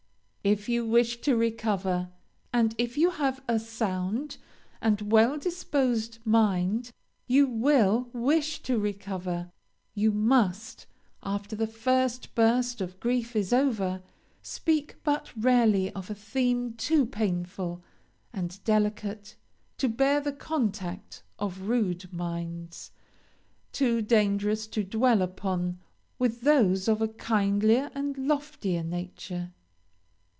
If you wish to recover and, if you have a sound and well disposed mind, you will wish to recover you must, after the first burst of grief is over, speak but rarely of a theme too painful and delicate to bear the contact of rude minds too dangerous to dwell upon with those of a kindlier and loftier nature.